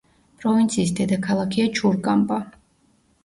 პროვინციის დედაქალაქია ჩურკამპა.